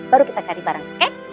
baru kita cari bareng oke